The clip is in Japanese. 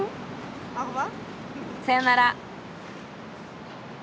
さよなら。